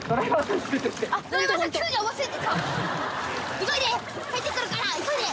入ってくるから急いで。